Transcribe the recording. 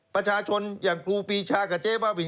ประชาชนอย่างครูปีชากับเจ๊บ้าบิน